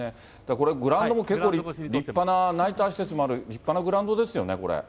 これグラウンドも結構、立派な、ナイター施設もある立派なグラウンドですよね。